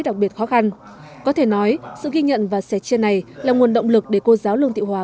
đặc biệt khó khăn có thể nói sự ghi nhận và sẻ chia này là nguồn động lực để cô giáo lương thị hòa